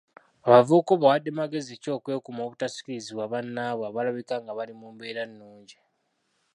Abavubuka obawadde magezi ki okwekuuma obutasikirizibwa bannaabwe abalabika ng'abali mu mbeera ennungi?